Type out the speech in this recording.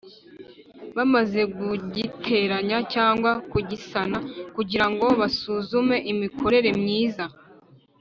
bamaze kugiteranya cyangwa kugisana kugirango basuzume imikorere myiza